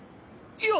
いや！